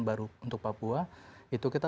baru untuk papua itu kita